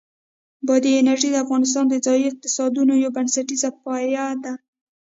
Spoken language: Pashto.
بادي انرژي د افغانستان د ځایي اقتصادونو یو بنسټیز پایایه دی.